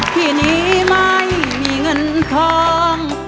ที่นี้ไม่มีเงินทอง